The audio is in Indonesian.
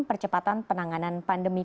percepatan penanganan pandemi